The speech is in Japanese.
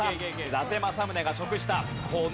伊達政宗が食した。